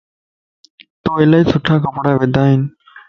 تو الائي سھڻا ڪپڙا ودا ائين